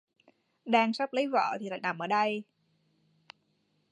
Đang sắp lấy vợ thì lại nằm ở đây